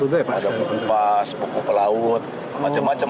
ada pas pokok pelaut macam macam